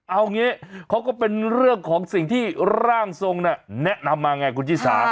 เอางี้เขาก็เป็นเรื่องของสิ่งที่ร่างทรงแนะนำมาไงคุณชิสา